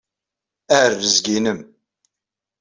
A rrezg-nnem!